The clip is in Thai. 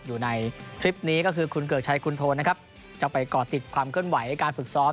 อยู่ในทริปนี้ก็คือคุณเกือกชัยคุณโทนนะครับจะไปก่อติดความเคลื่อนไหวการฝึกซ้อม